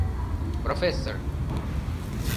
Профессор.